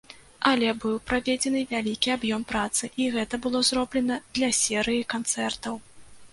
Але быў праведзены вялікі аб'ём працы, і гэта было зроблена для серыі канцэртаў.